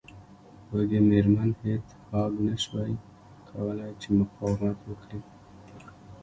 وږې میرمن هیج هاګ نشوای کولی چې مقاومت وکړي